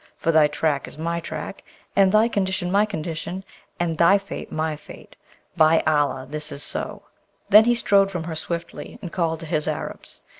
for thy track is my track, and thy condition my condition, and thy fate my fate. By Allah! this is so.' Then he strode from her swiftly, and called to his Arabs.